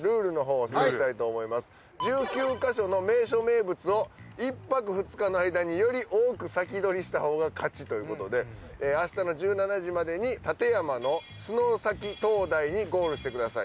１９ヵ所の名所名物を１泊２日の間により多く先取りしたほうが勝ちということで明日の１７時までに館山の洲埼灯台にゴールしてください。